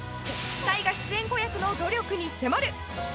大河出演子役の努力に迫る。